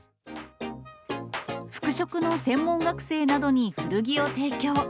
服飾の専門学生などに古着を提供。